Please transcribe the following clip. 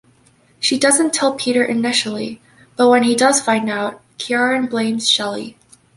She doesn't tell Peter initially but when he does finds out, Ciaran blames Shelley.